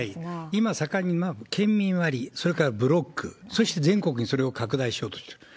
今、盛んに県民割、それからブロック、そして全国それを拡大しようとしてる。